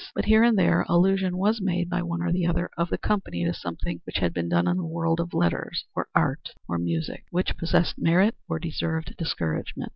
But here and there allusion was made by one or another of the company to something which had been done in the world of letters, or art, or music, which possessed merit or deserved discouragement.